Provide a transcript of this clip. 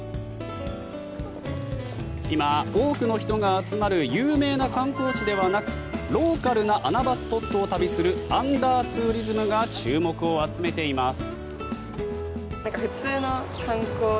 今、多くの人が集まる有名な観光地ではなくローカルな穴場スポットを旅するアンダーツーリズムが注目を集めています。